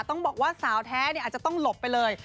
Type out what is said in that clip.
ต้องบอกว่าสาวแท้อาจจะต้องหลบไปเลย